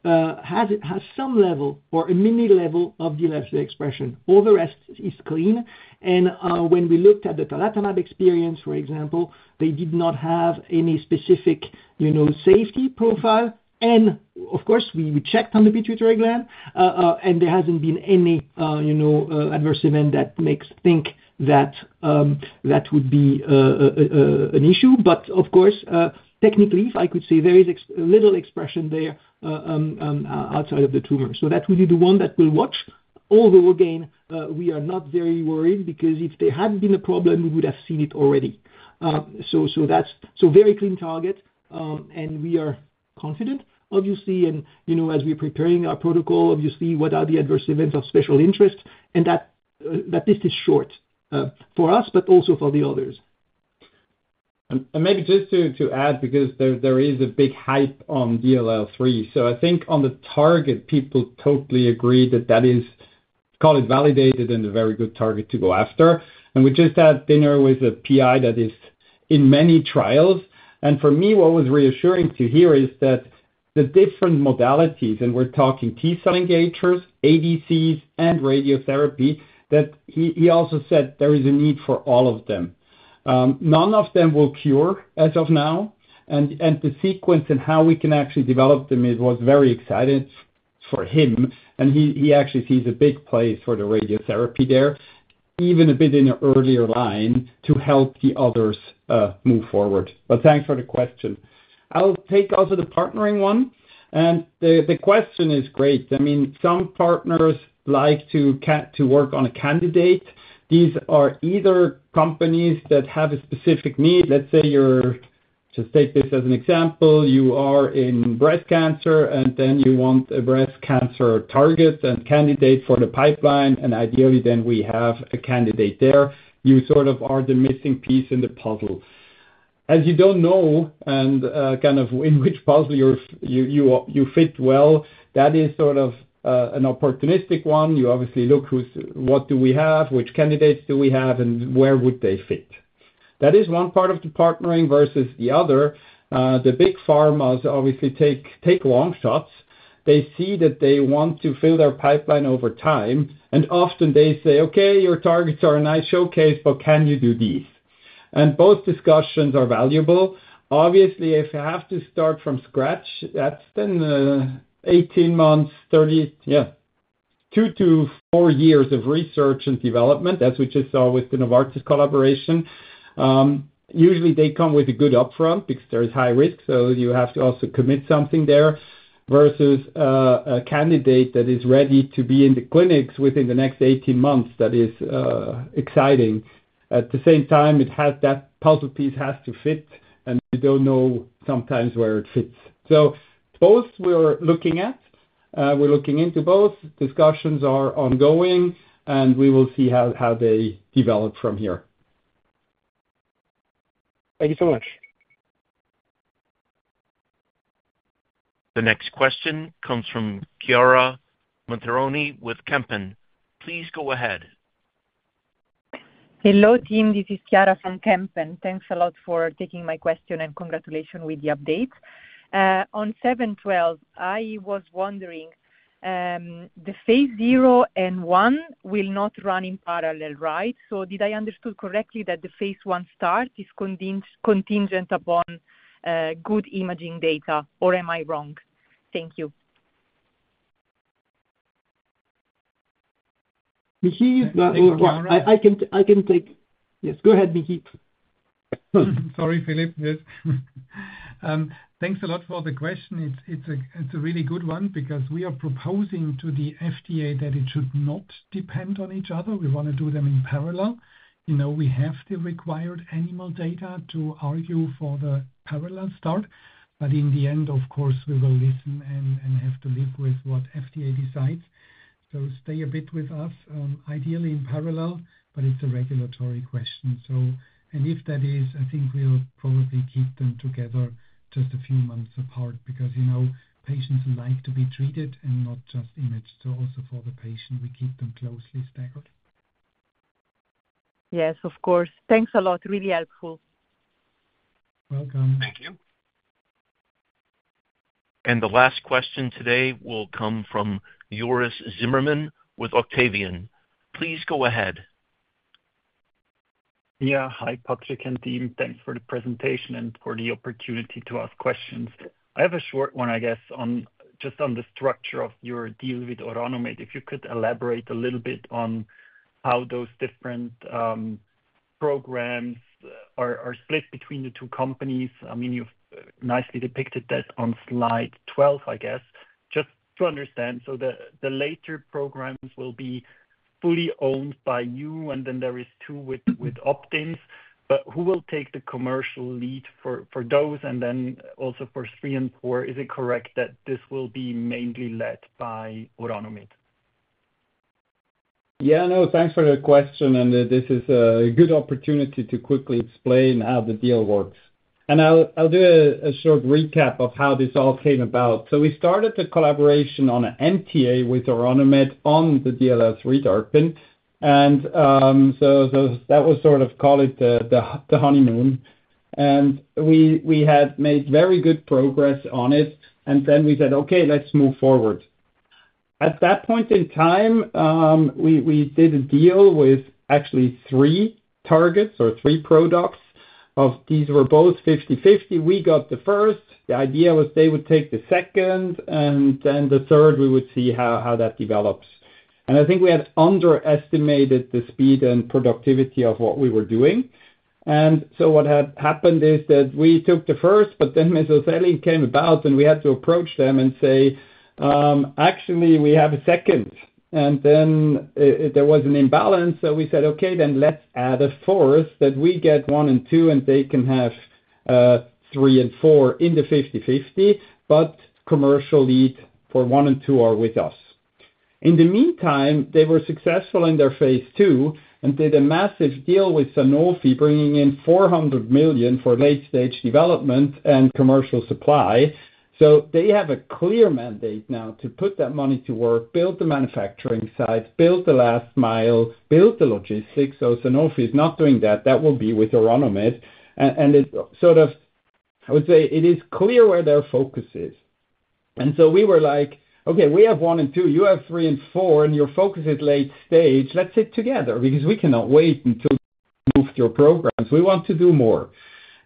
has some level or a mini level of DLL3 expression. All the rest is clean. When we looked at the tarlatamab experience, for example, they did not have any specific safety profile. Of course, we checked on the pituitary gland, and there hasn't been any adverse event that makes think that that would be an issue. Of course, technically, if I could say, there is a little expression there outside of the tumor. That would be the one that we'll watch. Although, again, we are not very worried because if there had been a problem, we would have seen it already. Very clean target, and we are confident, obviously, and as we're preparing our protocol, obviously, what are the adverse events of special interest, and that list is short for us, but also for the others. Maybe just to add, because there is a big hype on DLL3, I think on the target, people totally agree that that is, call it validated, and a very good target to go after. We just had dinner with a PI that is in many trials. For me, what was reassuring to hear is that the different modalities, and we're talking T-cell engagers, ADCs, and radiotherapy, that he also said there is a need for all of them. None of them will cure as of now, and the sequence and how we can actually develop them was very exciting for him, and he actually sees a big place for the radiotherapy there, even a bit in an earlier line to help the others move forward. Thanks for the question. I'll take also the partnering one, and the question is great. I mean, some partners like to work on a candidate. These are either companies that have a specific need. Let's say you're, just take this as an example, you are in breast cancer, and then you want a breast cancer target and candidate for the pipeline, and ideally, then we have a candidate there. You sort of are the missing piece in the puzzle. As you don't know kind of in which puzzle you fit well, that is sort of an opportunistic one. You obviously look what do we have, which candidates do we have, and where would they fit. That is one part of the partnering versus the other. The big pharmas obviously take long shots. They see that they want to fill their pipeline over time, and often they say, "Okay, your targets are a nice showcase, but can you do these?" Both discussions are valuable. Obviously, if you have to start from scratch, that's then 18 months, 30, yeah, two to four years of research and development, as we just saw with the Novartis collaboration. Usually, they come with a good upfront because there is high risk, so you have to also commit something there versus a candidate that is ready to be in the clinics within the next 18 months. That is exciting. At the same time, that puzzle piece has to fit, and you do not know sometimes where it fits. Both we are looking at. We are looking into both. Discussions are ongoing, and we will see how they develop from here. Thank you so much. The next question comes from Chiara Montironi with Kempen. Please go ahead. Hello, team. This is Chiara from Kempen. Thanks a lot for taking my question and congratulations with the update. On 712, I was wondering, the Phase zero and one will not run in parallel, right? Did I understand correctly that the Phase I start is contingent upon good imaging data, or am I wrong? Thank you. I can take—yes, go ahead, Mickey. Sorry, Philippe. Yes. Thanks a lot for the question. It's a really good one because we are proposing to the FDA that it should not depend on each other. We want to do them in parallel. We have the required animal data to argue for the parallel start, but in the end, of course, we will listen and have to live with what the FDA decides. Stay a bit with us, ideally in parallel, but it's a regulatory question. If that is, I think we'll probably keep them together just a few months apart because patients like to be treated and not just imaged, so also for the patient, we keep them closely staggered. Yes, of course. Thanks a lot. Really helpful. Welcome. Thank you. The last question today will come from Joris Zimmermann with Octavian. Please go ahead. Yeah. Hi, Patrick and team. Thanks for the presentation and for the opportunity to ask questions. I have a short one, I guess, just on the structure of your deal with Orano Med. If you could elaborate a little bit on how those different programs are split between the two companies. I mean, you've nicely depicted that on slide 12, I guess. Just to understand, so the later programs will be fully owned by you, and then there is two with options. But who will take the commercial lead for those, and then also for three and four? Is it correct that this will be mainly led by Orano Med? Yeah. No, thanks for the question, and this is a good opportunity to quickly explain how the deal works. I'll do a short recap of how this all came about. We started the collaboration on an MTA with Orano Med on the DLL3 DARPin. That was sort of, call it the honeymoon. We had made very good progress on it, and we said, "Okay, let's move forward." At that point in time, we did a deal with actually three targets or three products. These were both 50/50. We got the first. The idea was they would take the second, and then the third, we would see how that develops. I think we had underestimated the speed and productivity of what we were doing. What had happened is that we took the first, but then. Mesothelin came about, and we had to approach them and say, "Actually, we have a second." There was an imbalance, so we said, "Okay, then let's add a fourth that we get one and two, and they can have three and four in the 50/50, but commercial lead for one and two are with us." In the meantime, they were successful in their Phase II and did a massive deal with Sanofi bringing in 400 million for late-stage development and commercial supply. They have a clear mandate now to put that money to work, build the manufacturing site, build the last mile, build the logistics. Sanofi is not doing that. That will be with Orano Med. I would say it is clear where their focus is. We were like, "Okay, we have one and two. You have three and four, and your focus is late stage. Let's sit together because we cannot wait until you move to your programs. We want to do more.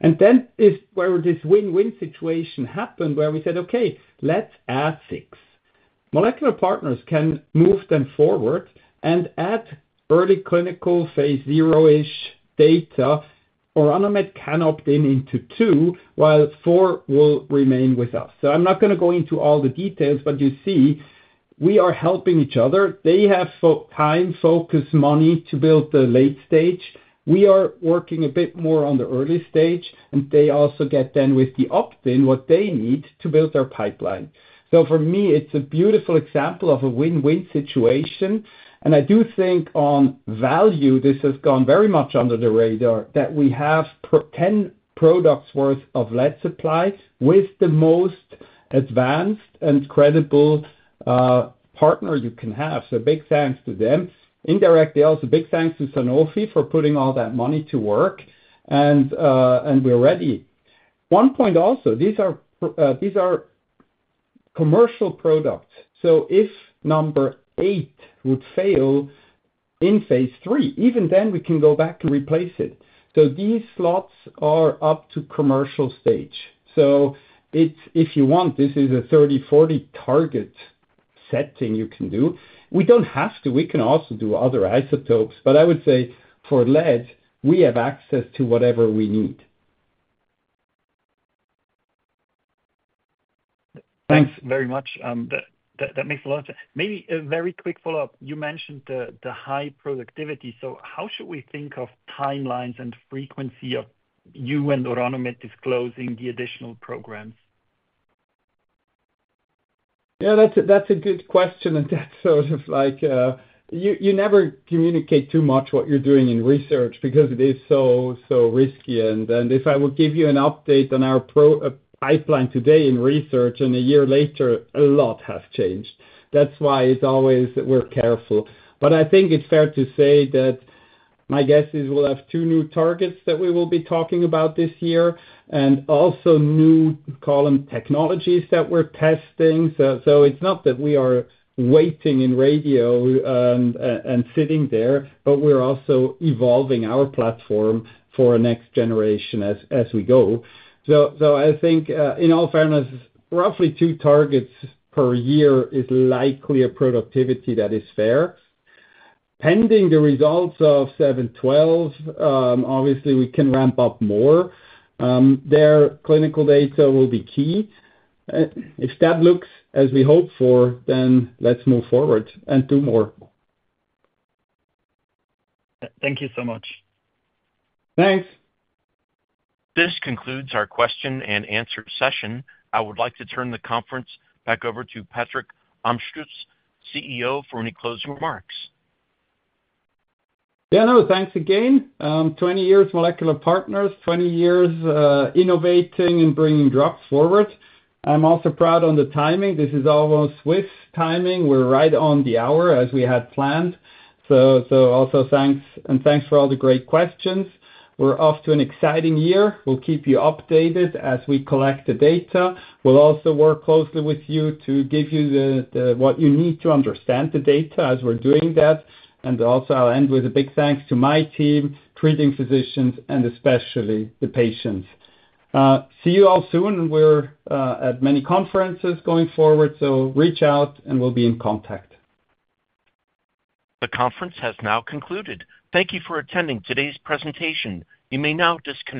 That is where this win-win situation happened where we said, "Okay, let's add six." Molecular Partners can move them forward and add early clinical Phase zero-ish data. Orano Med can opt in into two while four will remain with us. I'm not going to go into all the details, but you see we are helping each other. They have time, focus, money to build the late stage. We are working a bit more on the early stage, and they also get then with the opt-in what they need to build their pipeline. For me, it's a beautiful example of a win-win situation. I do think on value, this has gone very much under the radar that we have 10 products worth of lead supply with the most advanced and credible partner you can have. Big thanks to them. Indirectly, also big thanks to Sanofi for putting all that money to work, and we're ready. One point also, these are commercial products. If number eight would fail in phase III, even then we can go back and replace it. These slots are up to commercial stage. If you want, this is a 30-40 target setting you can do. We do not have to. We can also do other isotopes, but I would say for lead, we have access to whatever we need. Thanks very much. That makes a lot of sense. Maybe a very quick follow-up. You mentioned the high productivity. How should we think of timelines and frequency of you and Orano Med disclosing the additional programs? Yeah, that's a good question. You never communicate too much what you're doing in research because it is so risky. If I would give you an update on our pipeline today in research, and a year later, a lot has changed. That's why we're always careful. I think it's fair to say that my guess is we'll have two new targets that we will be talking about this year and also new colon technologies that we're testing. It's not that we are waiting in radio and sitting there, but we're also evolving our platform for our next generation as we go. I think in all fairness, roughly two targets per year is likely a productivity that is fair. Pending the results of 712, obviously, we can ramp up more. Their clinical data will be key. If that looks as we hope for, then let's move forward and do more. Thank you so much. Thanks. This concludes our question and answer session. I would like to turn the conference back over to Patrick Amstutz, CEO, for any closing remarks. Yeah, no, thanks again. 20 years Molecular Partners, 20 years innovating and bringing drugs forward. I'm also proud on the timing. This is almost Swiss timing. We're right on the hour as we had planned. Also thanks, and thanks for all the great questions. We're off to an exciting year. We'll keep you updated as we collect the data. We'll also work closely with you to give you what you need to understand the data as we're doing that. I'll end with a big thanks to my team, treating physicians, and especially the patients. See you all soon. We're at many conferences going forward, so reach out and we'll be in contact. The conference has now concluded. Thank you for attending today's presentation. You may now disconnect.